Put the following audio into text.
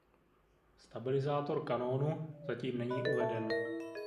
Stabilizátor kanónu zatím není uveden.